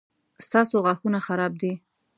ستاسو غاښونه خراب دي